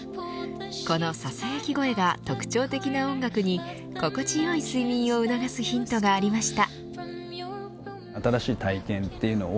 このささやき声が特徴的な音楽に心地よい睡眠を促すヒントがありました。